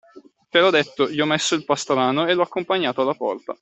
Te l'ho detto, gli ho messo il pastrano e l'ho accompagnato alla porta.